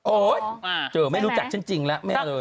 โอ๊ยเจอไม่รู้จักฉันจริงล่ะไม่เอาเลย